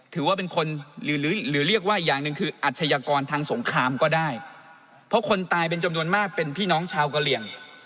ถือว่าเป็นคนหรือเรียกว่าอีกอย่างหนึ่งคืออาชญากรทางสงครามก็ได้เพราะคนตายเป็นจำนวนมากเป็นพี่น้องชาวกะเหลี่ยง